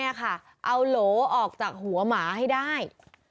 เอาโหลออกจากหัวหมาให้ได้